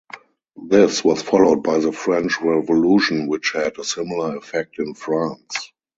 This was followed by the French Revolution which had a similar effect in France.